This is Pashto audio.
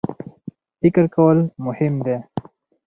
فکر کول مهم دی.